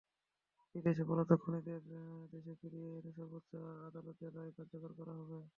বিদেশে পলাতক খুনিদের দেশে ফিরিয়ে এনে সর্বোচ্চ আদালতের রায় কার্যকর করা হবে।